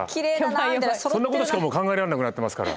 そんなことしかもう考えられなくなってますから。